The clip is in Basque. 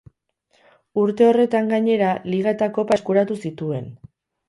Urte horretan gainera Liga eta Kopa eskuratu zituen.